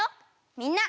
みんな。